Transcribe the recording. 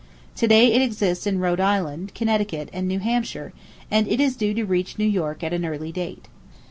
To day it exists in Rhode Island, Connecticut and New Hampshire, and it is due to reach New York at an early date.